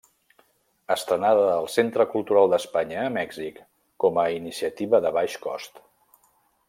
Estrenada al centre cultural d’Espanya a Mèxic com a iniciativa de baix cost.